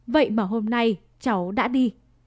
vậy mà hôm nay cháu đã đi